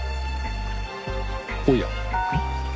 おや。